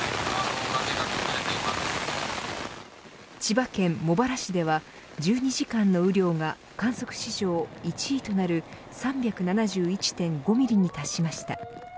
千葉県茂原市では１２時間の雨量が観測史上１位となる３７１．５ミリに達しました。